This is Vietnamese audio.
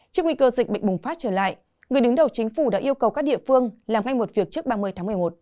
trước nguy cơ dịch bệnh bùng phát trở lại người đứng đầu chính phủ đã yêu cầu các địa phương làm ngay một việc trước ba mươi tháng một mươi một